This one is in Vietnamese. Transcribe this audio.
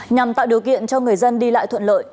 nhằm tạo điều kiện cho người dân đi lại thuận lợi